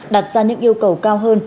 đặt ra những yêu cầu cao hơn